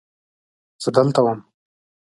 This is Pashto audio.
زه دلته وم.